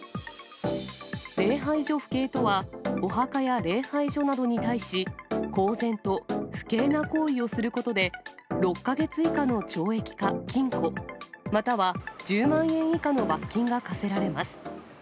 礼拝所不敬とは、お墓や礼拝所などに対し、公然と不敬な行為をすることで、６か月以下の懲役か禁錮、または１０万円以下の罰金が科せられます。